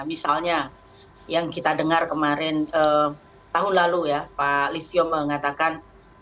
misalnya yang kita dengar kemarin tahun lalu ya pak listio mengatakan